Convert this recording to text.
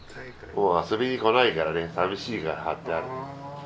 もう遊びに来ないからね寂しいから貼ってある。